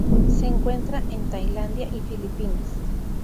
Se encuentra en Tailandia y Filipinas.